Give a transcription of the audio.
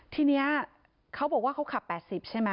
ทีนี้เขาบอกว่าเขาขับ๘๐ใช่ไหม